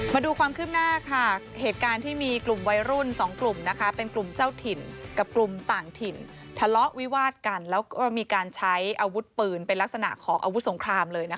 มาดูความคืบหน้าค่ะเหตุการณ์ที่มีกลุ่มวัยรุ่น๒กลุ่มเป็นกลุ่มเจ้าถิ่นกับกลุ่มต่างถิ่นทะเลาะวิวาดกันแล้วก็มีการใช้อาวุธปืนเป็นลักษณะของอาวุธสงครามเลยนะคะ